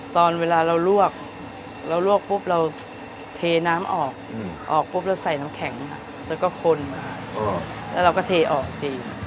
ตอนเวลาเราลวกเราลวกปุ๊บเราเทน้ำออกออกปุ๊บเราใส่น้ำแข็งแล้วก็คนค่ะแล้วเราก็เทออกที